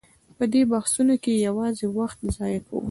په دې بحثونو کې یوازې وخت ضایع کوو.